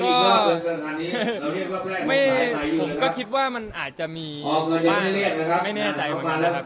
ก็ไม่ผมก็คิดว่ามันอาจจะมีไม่แน่ใจเหมือนกันนะครับ